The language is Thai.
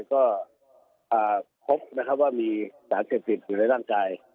ก็พบนะครับว่ามีสารเสพติดอยู่ในร่างกาย